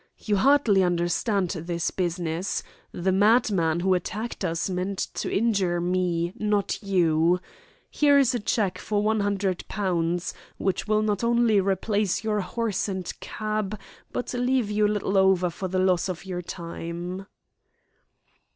"You hardly understand this business. The madman who attacked us meant to injure me, not you. Here is a cheque for £100, which will not only replace your horse and cab, but leave you a little over for the loss of your time."